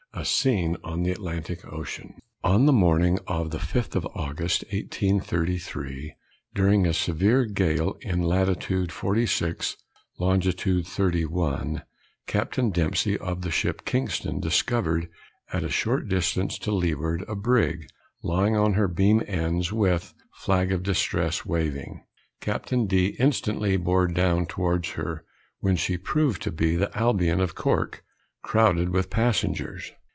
A SCENE ON THE ATLANTIC OCEAN. On the morning of the 5th of August, 1833, during a severe gale in lat. 46, lon. 31, Capt. Dempsey, of the ship Kingston, discovered at a short distance to leeward, a brig lying on her beam ends, with flag of distress waving. Capt. D. instantly bore down towards her, when she proved to be the Albion, of Cork, crowded with passengers.